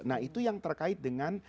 nah itu yang terkait dengan